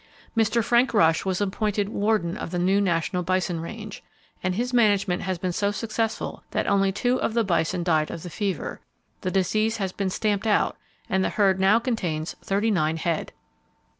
Mr. Frank Rush was appointed Warden of the new National Bison Range, and his management has been so successful that only two of the bison died of the fever, the disease has been stamped out, and the herd now contains thirty nine head.